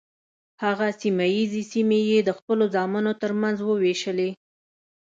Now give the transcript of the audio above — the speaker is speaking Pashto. هغه سیمه ییزې سیمې یې د خپلو زامنو تر منځ وویشلې.